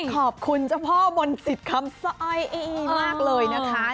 ขอบคุณเจ้าพ่อมนต์สิทธิ์คำสร้อยอี้มากเลยนะคะ